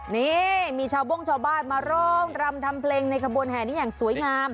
นี่มีชาวบ้งชาวบ้านมาร้องรำทำเพลงในขบวนแห่นี้อย่างสวยงาม